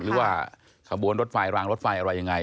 หรือว่าขบวนรถไฟรางรถไฟอะไรยังไง